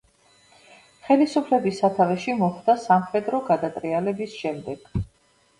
ხელისუფლების სათავეში მოხვდა სამხედრო გადატრიალების შემდეგ.